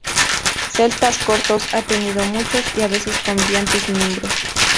Celtas Cortos ha tenido muchos y a veces cambiantes miembros.